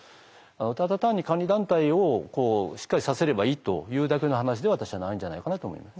ただ単に監理団体をしっかりさせればいいというだけの話では私はないんじゃないかなと思います。